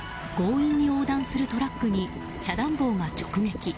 強引に横断するトラックに遮断棒が直撃。